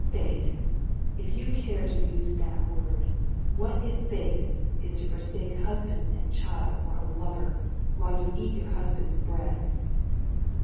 "Base! If you care to use that word, what is base is to forsake husband and child for a lover, while you eat your husband's bread!"